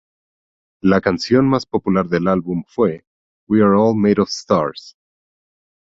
La canción más popular del álbum fue "We Are All Made of Stars".